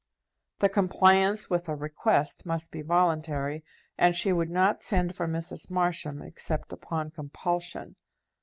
The compliance with a request must be voluntary, and she would not send for Mrs. Marsham, except upon compulsion.